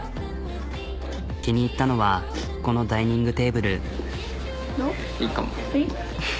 気に入ったのはこのダイニングテーブル。